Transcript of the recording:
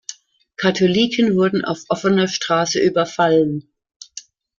Katholiken wurden auf offener Straße überfallen.